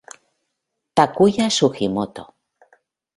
Takuya Sugimoto